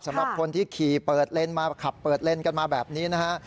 สำหรับคนที่ขี่เปิดเลนมาขับเปิดเลนกันมาแบบนี้นะฮะ